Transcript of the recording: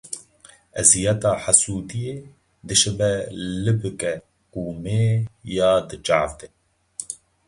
Eziyeta hesûdiyê, dişibe libike qûmê ya di çav de.